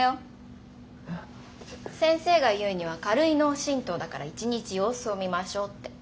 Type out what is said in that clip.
先生が言うには「軽い脳震とうだから一日様子を見ましょう」って。